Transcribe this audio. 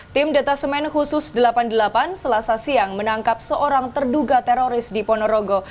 tim detasemen khusus delapan puluh delapan selasa siang menangkap seorang terduga teroris di ponorogo